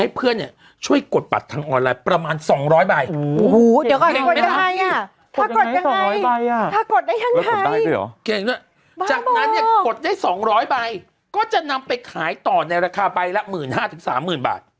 ถ้ากดยังไงถ้ากดได้ยังไงจากนั้นเนี่ยกดได้๒๐๐ใบก็จะนำไปขายต่อในราคาใบละ๑๕๐๐๐๓๐๐๐๐บาท